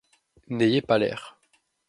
N'ayez pas l'air.